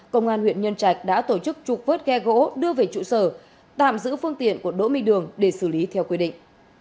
công an huyện nhân trạch đã tổ chức trục vớt ghe gỗ đưa về trụ sở tạm giữ phương tiện của đỗ minh đường để xử lý theo quy định